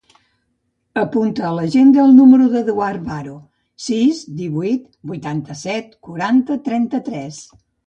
Apunta a l'agenda el número de l'Eduard Varo: sis, divuit, vuitanta-set, quaranta, trenta-tres.